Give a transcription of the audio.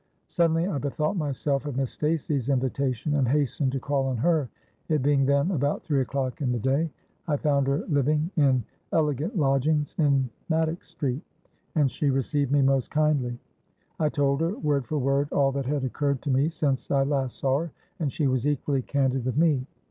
Suddenly I bethought myself of Miss Stacey's invitation, and hastened to call on her, it being then about three o'clock in the day. I found her living in elegant lodgings in Maddox Street: and she received me most kindly. I told her, word for word, all that had occurred to me since I last saw her; and she was equally candid with me.